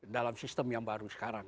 dalam sistem yang baru sekarang